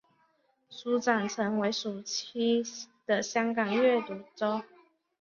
书展成为暑期的香港阅读周。